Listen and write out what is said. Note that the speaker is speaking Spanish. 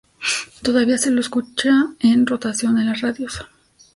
Todavía se lo escucha en rotación en las radios.